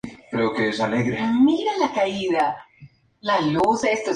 Estudió en Toulouse donde contactó con los jesuitas.